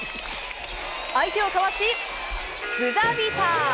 相手をかわし、ブザービーター。